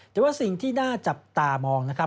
แต่ว่าสิ่งที่น่าจับตามองนะครับ